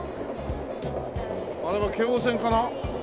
あれは京王線かな？